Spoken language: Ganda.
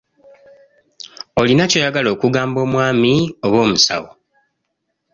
Olina ky'oyagala okugamba omwami oba omusawo?